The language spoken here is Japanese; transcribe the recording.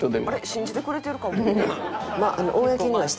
信じてくれてるかも」